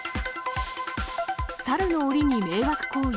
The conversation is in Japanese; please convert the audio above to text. サルのおりに迷惑行為。